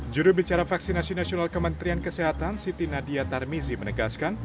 jurubicara vaksinasi nasional kementerian kesehatan siti nadia tarmizi menegaskan